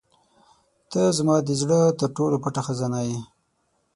• ته زما د زړه تر ټولو پټه خزانه یې.